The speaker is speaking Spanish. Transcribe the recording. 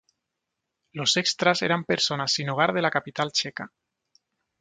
Los extras eran personas sin hogar de la capital checa.